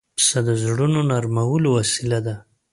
پسه د زړونو نرمولو وسیله ده.